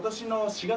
４月！